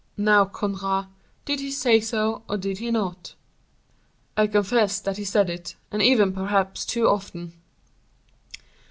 Now, Conrart, did he say so, or did he not?" "I confess that he said it, and even perhaps too often."